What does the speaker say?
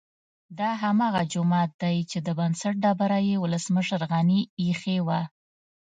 دا هماغه جومات دی چې د بنسټ ډبره یې ولسمشر غني ايښې وه